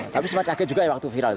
tapi sempat kaget juga ya waktu viral